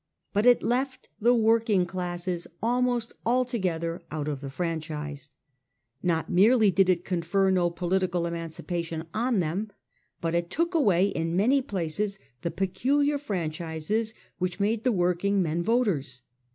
But it left the working classes almost altogether out of the franchise. Not merely did it confer no pobtical emancipation on them, but it took away in many places the pecubar franchises which made the work ing men voters.